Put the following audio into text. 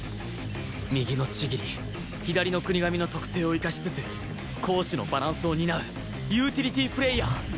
右の千切左の國神の特性を生かしつつ攻守のバランスを担うユーティリティープレーヤー